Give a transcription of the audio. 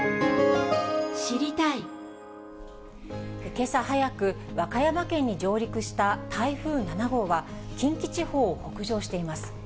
けさ早く、和歌山県に上陸した台風７号は、近畿地方を北上しています。